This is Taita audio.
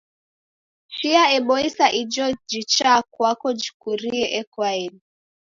Chia eboisa ijo jichaa kwako jikurie ekoaeni.